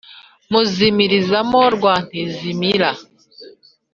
muzimirizamo rwantizimira